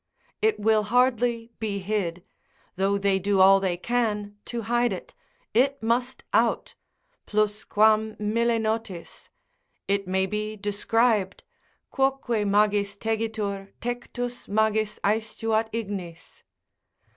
it will hardly be hid; though they do all they can to hide it, it must out, plus quam mille notis—it may be described, quoque magis tegitur, tectus magis aestuat ignis.